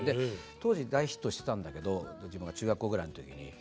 当時大ヒットしてたんだけど自分が中学校ぐらいの時に。